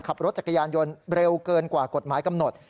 ขับรถจักรยานยนต์เร็วเกินกว่ากฎหมายกำหนด